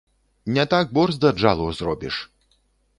Не так борзда джалу зробіш.